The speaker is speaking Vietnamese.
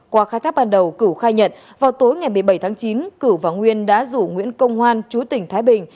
qua khai thác ban đầu cửu khai nhận vào tối ngày một mươi bảy tháng chín cửu và nguyên đã rủ nguyễn công hoan chú tỉnh thái bình